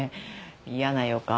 嫌な予感。